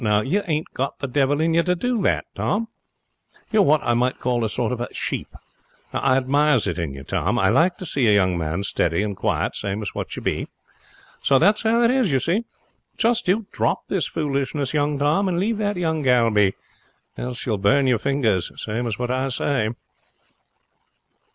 Now, you ain't got the devil in you to do that, Tom. You're what I might call a sort of a sheep. I admires it in you, Tom. I like to see a young man steady and quiet, same as what you be. So that's how it is, you see. Just you drop this foolishness, young Tom, and leave that young gal be, else you'll burn your fingers, same as what I say.'